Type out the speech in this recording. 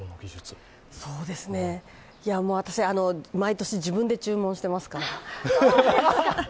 私、毎年自分で注文していますから。